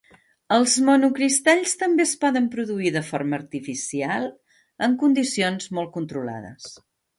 Els monocristalls també es poden produir de forma artificial en condicions molt controlades.